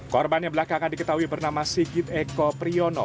korban yang belakangan diketahui bernama sigit eko priyono